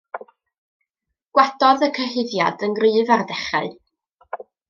Gwadodd y cyhuddiad yn gryf ar y dechrau.